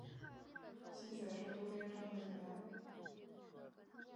妻子是渡边胜的女儿。